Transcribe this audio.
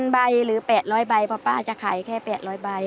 ใบหรือ๘๐๐ใบเพราะป้าจะขายแค่๘๐๐ใบ